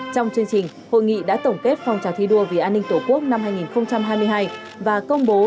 trong chương trình hội nghị đã tổng kết phòng trào thi đua vì an ninh tổ quốc năm hai nghìn hai mươi hai và công bố